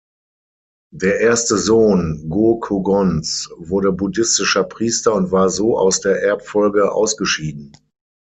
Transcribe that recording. Der erste Sohn Go-Kōgon's wurde buddhistischer Priester und war so aus der Erbfolge ausgeschieden.